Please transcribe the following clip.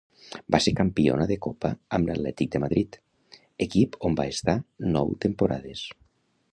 Va ser campiona de Copa amb l'Atlètic de Madrid, equip on va estar nou temporades.